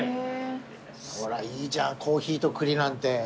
ほらいいじゃんコーヒーと栗なんて。